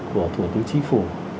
của thủ tướng chí phủ